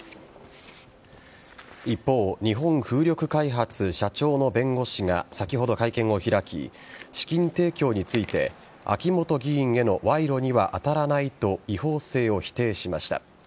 一方日本風力開発社長の弁護士が先ほど会見を開き資金提供について秋本議員への賄賂には当たらないと違法性を否定しました。